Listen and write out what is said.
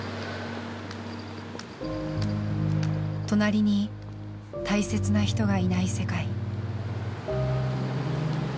隣に大切な人がいない世界。